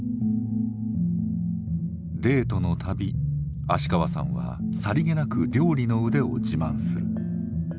デートの度芦川さんはさりげなく料理の腕を自慢する。